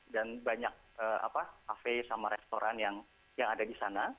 dan banyak apa cafe sama restoran yang ada di sana